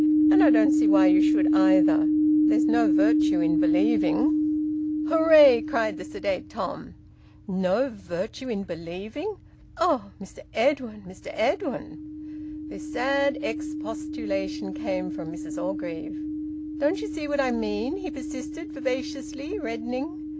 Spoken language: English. And I don't see why you should, either. There's no virtue in believing." "Hooray," cried the sedate Tom. "No virtue in believing! Eh, Mr Edwin! Mr Edwin!" This sad expostulation came from Mrs Orgreave. "Don't you see what I mean?" he persisted vivaciously, reddening.